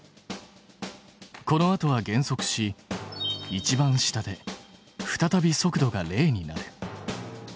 このあとは減速しいちばん下で再び速度が０になる。